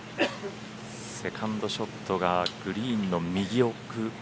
セカンドショットがグリーンの右奥。